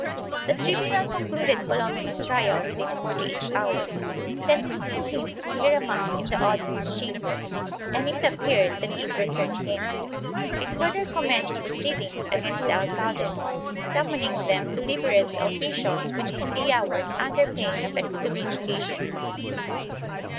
The tribunal con cluded Palomino's trial within forty eight hours, sentencing him to hear a mass in the audience chamber, and it appears that it returned him. It further commenced proceedings against the CHAP. IV] CASTILE 487 alcaldes, summoning them to liberate the officials within three hours under pain of excommunication.